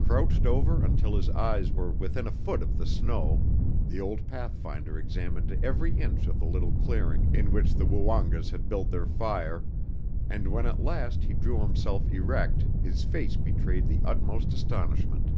Crouched over until his eyes were within a foot of the snow the old pathfinder examined every inch of the little clearing in which the Woongas had built their fire, and when at last he drew himself erect his face betrayed the utmost astonishment.